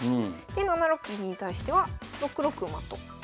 で７六銀に対しては６六馬と。